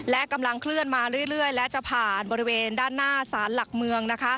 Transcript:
และกำลังเคลื่อนมาเรื่อยและจะผ่านบริเวณด้านหน้าสารหลักเมือง